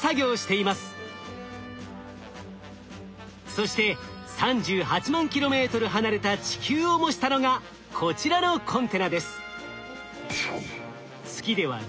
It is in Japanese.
そして３８万ｋｍ離れた地球を模したのがこちらのコンテナです。